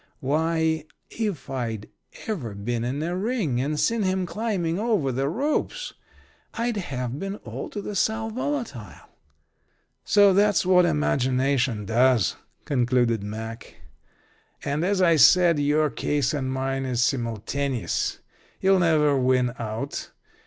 Why, if I'd ever been in a ring and seen him climbing over the ropes, I'd have been all to the sal volatile. "So that's what imagination does," concluded Mack. "And, as I said, your case and mine is simultaneous. You'll never win out.